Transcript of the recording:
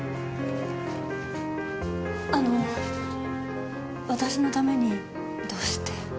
あの私のためにどうして？